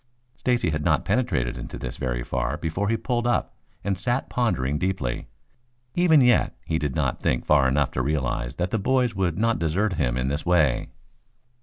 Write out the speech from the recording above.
Stacy had not penetrated into this very far before he pulled up and sat pondering deeply. Even yet he did not think far enough to realize that the boys would not desert him in this way.